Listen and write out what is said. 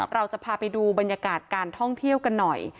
เราจะพาไปดูบรรยากาศการท่องเที่ยวกันหน่อย